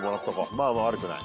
まあ悪くない。